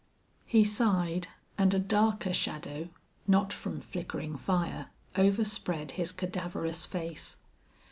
He sighed, and a darker shadow, not from flickering fire, overspread his cadaverous face.